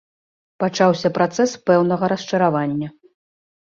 Пачаўся працэс пэўнага расчаравання.